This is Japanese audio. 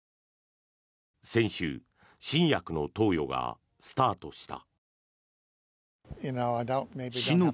先週、新薬の投与がスタートした。